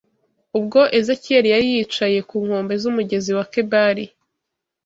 Ubwo Ezekiyeli yari yicaye ku nkombe z’umugezi wa Kebari